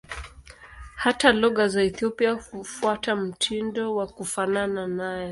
Hata lugha za Ethiopia hufuata mtindo wa kufanana nayo.